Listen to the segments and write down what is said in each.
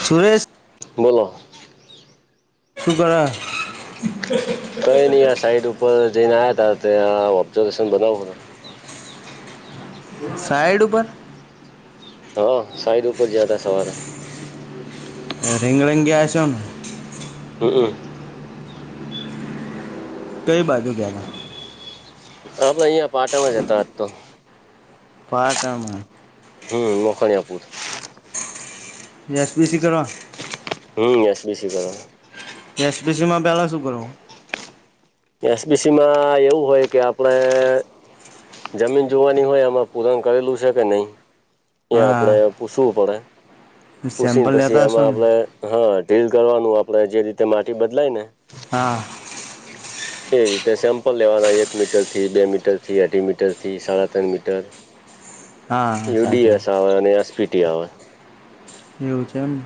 સુરેશ બોલો શુ કરે કઈ નહી આ સાઈટ ઉપર જઈને, આવ્યા હતા ત્યાં ઓબ્ઝર્વેશન બનાવુ સાઈડ ઉપર હા, સાઈડ ઉપર જ્યાતા સવારે રીંગ લઈને ગયા હશો ને હમ્મ કઈ બાજુ ગયેલા આપડે અહીંયા પાટણ જ હતા આજ તો પાટણમા હમ મોખાણિયાપુર [unintelligible] હમ એસબીસી કરવા એસપીસી માં પેલા શું કરવાનુ એસબીસી માં એવું હોય, કે આપડે જમીન જોવાની હોય, એમાં પૂરણ કરેલું છે, કે નહી એ આપણે હા પૂસવું પડે પૂસીને સેમ્પલ પછી લેતા એમા હશો ને આપણે હા ડ્રીલ કરવાનું આપણેે જે રીતે માટી બદલાય ને હા એ રીતે સેમ્પલ લેવાના એક મીટરથી બે મીટરથી અઢી મીટરથી સાડા ત્રણ મીટર હા યુડી સાચી એસ વાત આવે અને એસપીટી આવે એવું છે, એમ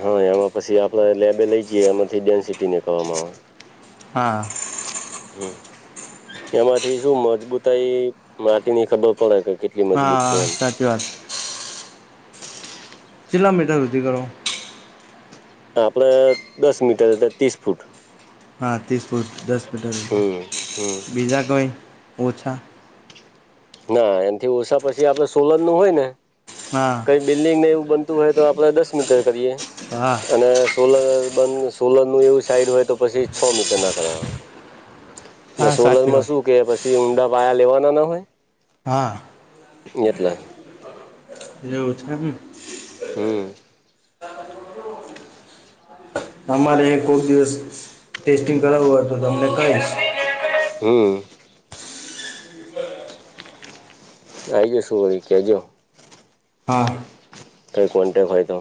હા એમાં પછી આપડે લેબે લઈ જઈએ, એમાંથી ડેન્સિટી નીકળવામા આવે હા હમ્મ તેમાંથી શું મજબૂતાઈ માટીની ખબર પડે કે મજબૂત છે હા એમ. સાચી વાત ચિલ્લા મીટર સુધી કરો આપડે દસ મીટર એટલે ત્રીસ ફૂટ હા ત્રીસ ફૂટ દસ મીટર હમ હમ બીજા કોઈ ઓછા. ના એનથી ઓછા પછી આપડે સોલરનુ હોય, ને હા કંઈ બિલ્ડિંગને એવું બનતું હોય, તો આપણે દસ મીટર કરીએ હા અને સોલર બંધ સોલરનુ એવુંસાઈડ હોય, તો પછી છ, મીટર નાખવા આવેય હા ના સોલર સાચી માં વાત શું કે પછી ઊંડા પાયા લેવાના ના હોય. હા એટલે [unintelligible] હમ્મ અમારે કોક દિવસ ટેસ્ટિંગ કરાવવું હોય તો તમને કહીશ હમ આઈ જઈસુ કેજો હા [inaudible] કઈ કોન્ટેક્ટ હોય તો?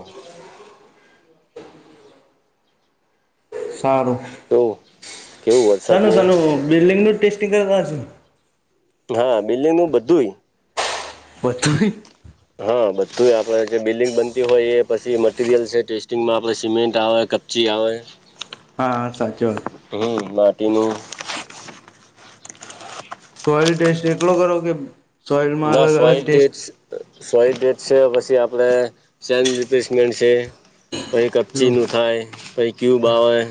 સારું તો [unintelligible] બિલ્ડિંગનું ટેસ્ટિંગ કરતાશે હા બિલ્ડિંગ નું બધુંય [unintelligible] હા બધું આપડે જે બિલ્ડિંગ બનતી હોય એ પછી મટીરિયલ છે ટેસ્ટિંગમાં આપડે સીમેન્ટ આવે જી આવે હા હા સાચુ હમ માટીનું સોયલ ટેસ્ટ એકલો કરો કે? સોઈલમાં ના. અલગ અલગ ટેસ્ટ [inaudible] સોય ડેટ છે પછી આપણે સેન રિપ્લેસમેન્ટ છે કંઈ કપચીનું થાય કંઈ ક્યુબ આવે?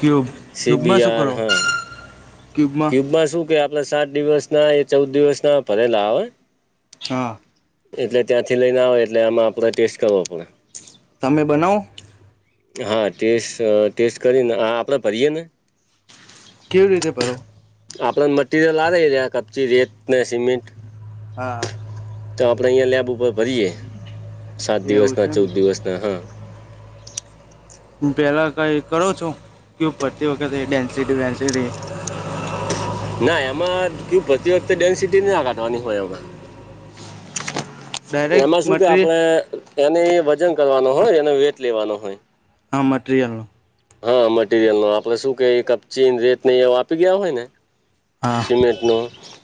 ક્યુબ ક્યુબમાં શું સીબીઆર કરો હા [inaudible] માં શું કે આપડા સાત દિવસ ના એ ચૌદ દિવસ ના ભરેલા આવે હા એટલે ત્યાંથી લઈને આવે એટલે આમાં આપણે ટેસ્ટ કરવો પડે તમે બનાવ? હા ટેસ્ટ ટેસ્ટ કરીને આ આપણે ભરીએ ને કેવી રીતે ભરો? આપણને મટિરિયલ આવે કપચી, રેત ને સિમેન્ટ હા તો આપણેે અહિયાં લેબ ઉપર ભરીયએ સાત દિવસ એવું છે ના એમ ચૌદ દિવસના હા હ પહેલાં કંઈ કરો છો? [unintelligible] ના એમાં ક ભરતી વખતે ડેન્સિટી ના લગાવાની હોય એમાં ડાયરેક્ટ એમાં શું કે મટીરિયલ આપણે એને વજન કરવાનો હોય એનો વેટ લેવાનો હોય હા મટીરીયલ નો હા મટીરિયલ નો આપડે શું કે કપચી ને રેત નહી એવ આપી ગયા હોય ને હા સિમેન્ટ ન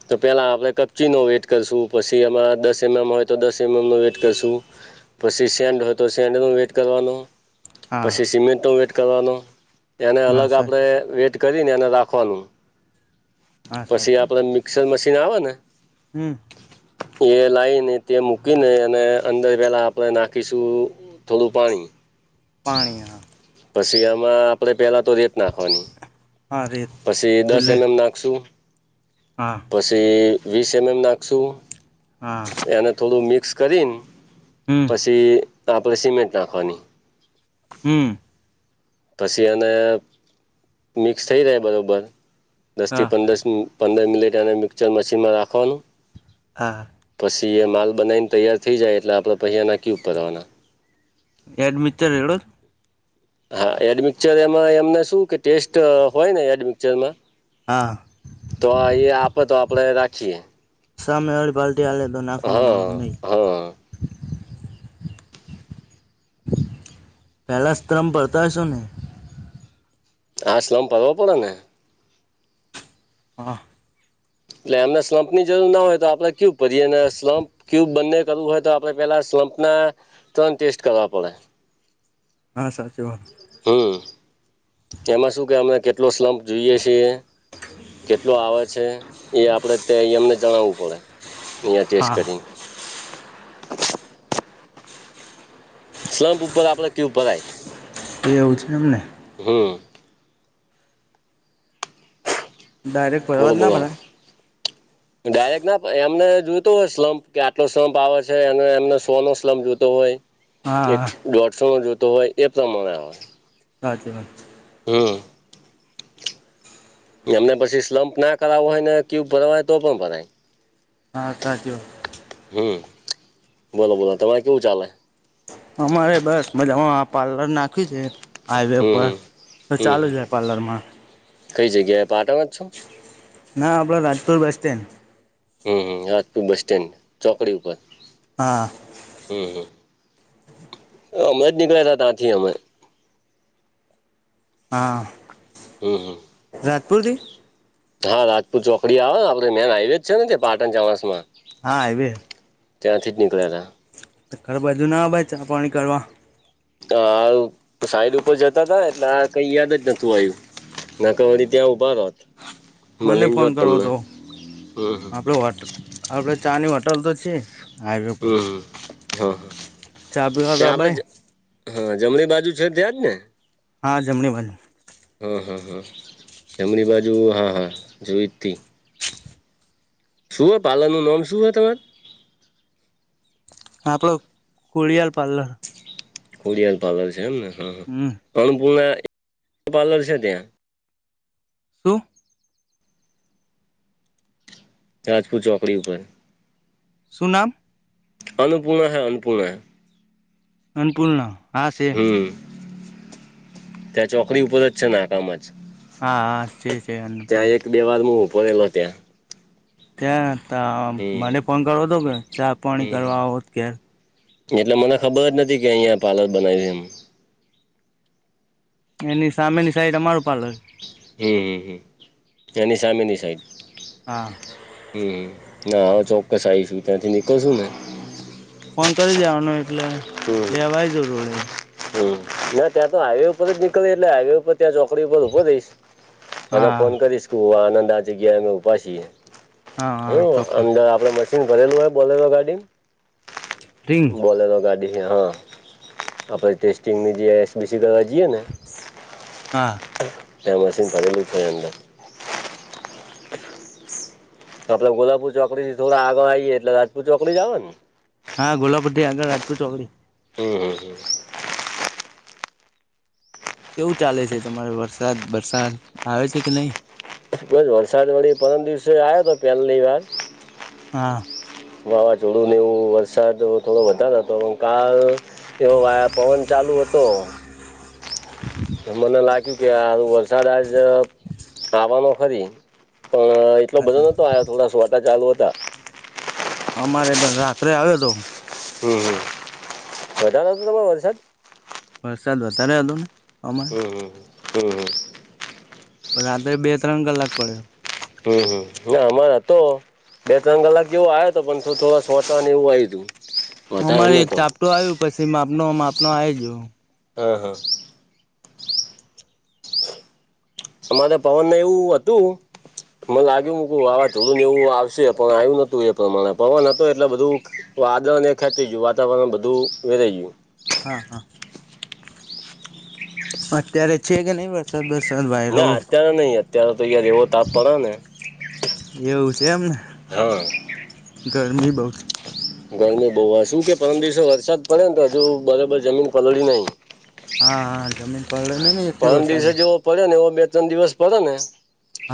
તો પેલા આપડે કપચી નો વેટ કરશું પછી એમાં દસ એમ એમ હોય તો દસ એમ એમ નો વેટ કરશું પછી સેન્ડ હોય તો સેન્ડનું વેઇટ કરવાનું પછી હા સિમેન્ટનો વેટ કરવાનો એને હા અલગ સર આપણે વેટ કરીને એ રાખવાનું હા પછી સાચી વાત આપડે મિક્સર મશીન આવે ને હમ એ લાઈને તે મૂકીને અને અંદર પેલા આપણે નાખીશું થોડું પાણી પાણી પછી આમાં આપે પેલા તો રેત નાખવાની હા રેત પછી દસ એટલે એમ એમ નાખશુ હા પછી વીસ એમ એમ નાખશું હા એને થોડું મિક્સ કરીને હમ પછી આપણે સિમેન્ટ નાખવાની હમ પછી અને મિક્સ થઈ રહે બરાબર દસ હા થી પંદરસ મિન પંદર મિનિટ એને મિક્ચર મશીનમાં રાખવાનું હા પછી એ માલ બનાવીને તૈયાર થઈ જાય એટલે આપણે પૈસા નાખી ઉપર આવવાના એડ મિતચર એડો હા એડમિક્ચર એમાં એમને શું કે ટેસ્ટ હોય ને એડમિકચર માં હા તો એ આપે તો આપણે રાખીએ સામેરી પાલ્ટતી આવેલે તો નાખોનો હા બ નહી હા પહેલા સ્ત્રમ પડતા હશો ને આ શલમ પાડવા પડ ને હા એટલે એમને સ્લમપની જરૂર ના હોય તો આપડણે કેયું પરીએ ને સ્લમપ ક્યુબ બંને કરવું હોય તો આપણે પેલા સ્લંપના ત્રણ ટેસ્ટ કરવા પડે હા સાચી વાત હમ એમાં શું કે અને કેટલો સ્લમપ જોઈએ છે કેટલો આવે છે એ આપડેં અમને જણાવવું પડે અહયા ટેસ્ટ હા કરીને સ્લમપ ઉપર આપલા કયુબ ઉપરાય એવુ છે એમને હમ ડાયરેક્ટ બોલો ભરવા જ ના બોલો ભરાય ડાયરેક્ટ ના એમને જોતો હોય સ્લમપ કે આટલો સ્લપ આવે છે અને એમને સો નો સ્લમપ જોતો હોય હા એક હા દોઢસણ જોતો હોય એ પ્રમાણે આવે સાચી વાત હા એમને પછી સ્લમપ ના કરાવવો હોય ને ક્યુબ ભરવા હોય તો પણ ભરાય હા સાચી વાત હમ બોલો બોલો તમારે કેવું ચાલે અમારે બસ મજામાં આ પાર્લર નાખ્યું છે હાઈવે હમ ઉપર હમ તો હમ ચાલુ હમ જ પાર્લરમાં કઈ જગ્યાએ પાટણ માજ છો ના આપણા રાજપુર બસ સ્ટેન્ડ હમ આપુર બસ સ્ટેન્ડ ચોકડી ઉપર હા હમ હમ અમે જ નીકળ્યા હતા ત્યાંથી અમે હા. હમ રાજપુરથી હા હા રાજપુત ચોકડી આવે ને આપણે મેન હાઈવેજ છે ને પાટણ ચોણસ માં હા હાઈવે ત્યાંથી જ નીકળ્યા હતા તો ઘર બાજુ ના આવાય ચા પાણી કરવા તા સાઈડ ઉપર જતા હતા ને એટલે આ કઈ યાદ જ નતું આવ્યું નક વરી ત્યાં ઉભા રત મને ફોન કરવો તો હમ આપડે હોટ આપડે ચાની હોટલ તો છે હાઈવે પર હમ હમ હા હા ચા પીવાતો ત્યાં આબાય આપડે હા જમણી બાજુ છે ત્યાંજ ને હા જમણી બાજુ હા હા હા જમણી બાજુ હા હા જોઈ તી શું પાલૅર નું નામ શું હ તમાર હા આપણ ખોળિયાર પાર્લર ખોડિયાર પાર્લર છે એમ ને હ હમ અન્નપૂર્ણા પાર્લર છે ત્યાં સુું રાજપુત ચોકડી ઉપર શુ નામ અનુપૂર્ણા હૈ અન્નપૂર્ણા હૈ અન્નપૂર્ણા હા છે હમ ત્યાં ચોકડી ઉપર જ છે નાકામાં જ હા હા છે છે ત્યાં અન્નપૂર્ણા એક બે વાર હું ઉભો રહેલો ત્યાં ત્યાં ત હમ મને ફોન કરવો હતો કે ચા પાણી હમ કરવા આવો ત્યાં એટલે મને ખબર જ નથી કે અહીંયા પાર્લર બનાવ્યું છે એમ. એની સામેની સાઈડ અમારું પાર્લર. હ એની સામેની સાઈડ હા. હમ ના હવે ચોક્કસ આવીશું ત્યાંથી નીકળશું ને ફોન કરી દેવાનો એટલે હમ લેવા આવી જાવ રોડે. હમ ના ત્યાં તો હાઈવે ઉપર જ નીકળીએ એટલે હાઈવે ઉપર ત્યાં ચોકડી ઉપર ઊભો રહીશ. અને હા ફોન કરીશ કે હું આનંદ આ જગ્યા અમે ઉભા છીએ. હા હ હા ચોક્કસ અંદર આપડે મ [inaudible] ભરેલુ હ બોલેરો ગાડી રિંગ બોલેરો ગાડી આપણે ટેસ્ટિંગની જે બેસી દવા જઈએ ને હા તા મશીન પડેલું થાય અંદર આપે ગોલાપુર ચોકડીથી થોડા આગળ આવીએ એટલે રાજપુત ચોકડી જ આવે ને. હા ગોલાપુરથી આગળ રાજપુત ચોકડી હમ હમ હમ. કેવું ચાલે છે તમારે વરસાદ વરસાદ આવે છે કે નહીં. બો વરસાદ વડી પરમ દિવસે આવ્યો હતો પહેલી વાર હા. વાવાઝોડું ને એવું વરસાદ થોડો વધારો હતો પણ કાલ એવો પવન ચાલુ હતો. મને લાગ્યું કે આ વરસાદ આજ આવાનો ફરી પણ એટલો બધો વરસાદ નતો આયો થોડા સોટા ચાલુ હતા. અમારે પણ રાત્રે આવ્યો હતો. હમ હમ વધારે હતો તમારે વરસાદ વરસાદ વધારે હતો ને અમારે હમ હમ હમ હ. રાત્રે બે ત્રણ કલાક પડેલો હમ હમ ના અમારા હતો બે ત્રણ કલાક જેવો આવ્યો હતો પણ થો થોડા સોટા ને એવું આયુ તું અમારે એક ચાપટું આવ્યું પછી માપનો માપનો આવી ગયો. અ હા. અમારે પવનને એવું હતું મને લાગ્યું મકુ વાવાઝોડુ ને એવું આવશે પણ આવ્યું નતું એ પ્રમાણે પવન હતો એટલે બધું વાદળને ખેંચી ગયું વાતાવરણ બધું વેરાઈ ગયું. હા હા અત્યારે છે કે નહી વર [inaudible] ના અત્યારે નઈ અત્યારે તો યાર એવો તાપ પડે ને. એવું છે એમને. હા. ગરમી બોવ. ગરમી બહુ શું કે પરમ દિવસે વરસાદ પડે ને તો હજુ બરોબર જમીન પલળી નહી. હા હા જમીન પલળે નઈ ને એટલી પરમ દિવસે વરસાદે જેવો પડ્યો ને એવો બે ત્રણ દિવસ પડે ને.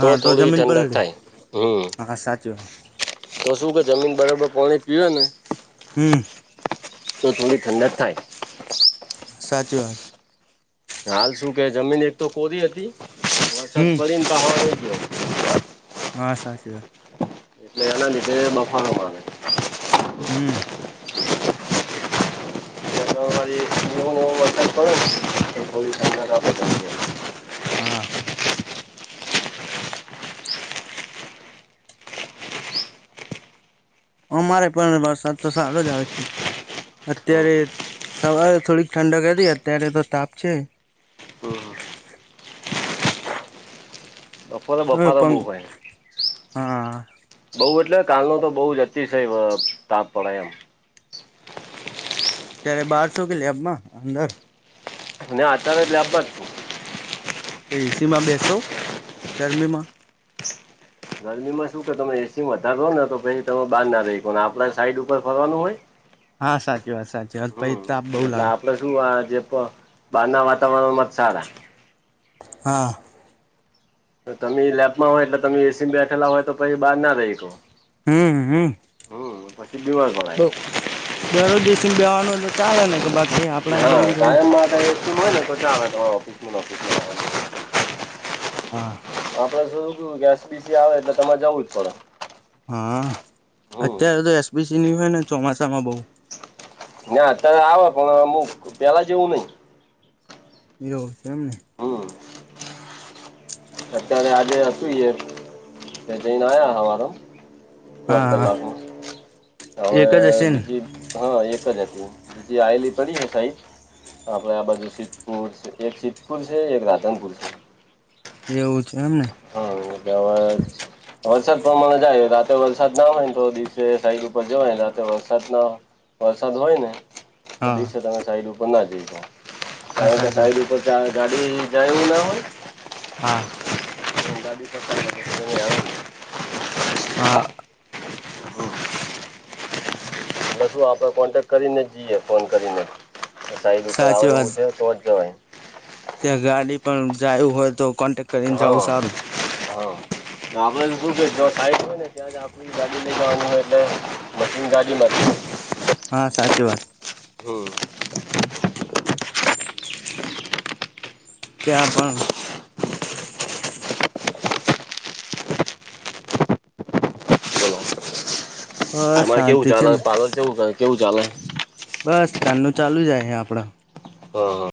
તો થોડી જમીન ઠંડક પલળે થાય હમ. હા સાચી વાત તો શું કે જમીન બરાબર પાણી પીવે ને હમ. તો થોડી ઠંડક થાય. સાચી વાત. હાલ શું કે જમીન એક તો કોરી હતી વરસાદ હમ પડી ને ત ગયો. હા સાચી વાત. એટલે એને લીધે બફારો માગે. હમ. વુંવ વર્ત કરે [inaudible] હા. અમારે પણ વરસાદ તો સારો જ આવે છે. હમ અત્યારે સવારે થોડીક ઠંડક કરી અત્યારે તો તાપ છે. હમ હમ પણ હ બફારો પણ બઉ હોય. હા બઉ એટલે કાલનો તો બહુ જ અતિશય અ તાપ પડે એમ. ત્યારે બારછો કે લેબમાં અંદર. ના અત્યારે તો લેબ પર. તો એસી માં બેસો ગરમીમાં. ગરમીમાં શું કે તમે એસી વધારો ને તો પે તમે બહાર ના રહીકોને આપડા સાઈડ ઉપર ફરવાનું હોય. [inaudible] હા સાચી વાત સાચી વાત હમ પેય તાપ બહુ એટલે લાગે. આપડે શું આજે પણ બહાર ના વાતાવરણમાં સારા. હા. તો તમે લેબમાં હોય એટલે તમે એસી બેઠલા હોય તો પછી બહાર ના રહી હકો. હમ હમ. હું પતિ ગયેલું આજ બલાય. બઉ દરરોજ એસીમાં બેવાનું તો ચાલે ને કે બાકી હે. હા કાયમ માટે જોતું હોય તો ચાલે ઓફિસમાં ઓફિસમાં. હા. આપડે શું શું ગૈસ બીસી આવે એટલે તમારે જાવું જ પડે. હા હમ અત્યારે તો એસપીસી ની હોય ને ચોમાસામાં બહુ. ના અત્યારે આવે પણ અમુક પેલા જેવું નહીં. એવું એમન. હમ. અત્યારે આજે એ હશુએ જઈને આયા હવારો. ઢોઢ હા હા કલાકમા હવે એક જ હશે ને બીજી. હા એક જ હતી બીજી આયેલી પડી ને સાઈડ આપડે આ બાજુ સિદ્ધપુર એક સિદ્ધપુર છે એક રાધનપુર છે. એવું છે એમ ને. હા કેવા [inaudible] વરસાદ પ્રમાણે જાય રાતે વરસાદ ના હોય ને તો દિવસે સાઈડ ઉપર જવાને રાતે વરસાદ ના. વરસાદ હોય ને તો હા દિવસે તમે સાઈડ ઉપર ના જઈ શકો હા કારણ કે સાચી વાત સાઈડ ઉપર ગા ગાડી જવાય એવું ના હોય. હા. એ [inaudible] હા બસું આપણે કોન્ટેક કરીને જ જઈએ, ફોન કરીને સાઈડ ઉપર સાચી આવે વાત એવું છે તો જ જવાય. ત્યાં ગાડી પણ જાયું હોય તો કોન્ટેક કરીને હા જવું સારું હા આપે શું છે જ થાય છેને, ત્યાં જ આપ ગા લેવા હોય તો મશીન ગાડી મારતી હા સાચી વાત હ ત્યા પણ બસ અમારે કેવું શાંતિ છે ચાલે પાલ કેવું કેવું ચાલે બસ કાનનું ચાલુ જાય હ આપડા હા હા